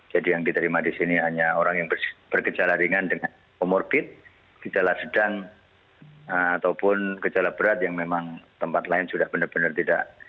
jadi yang diterima di sini hanya orang yang bergejala ringan dengan komorbid gejala sedang ataupun gejala berat yang memang tempat lain sudah benar benar tidak